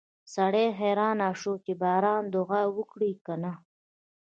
سړی حیران شو چې د باران دعا وکړي که نه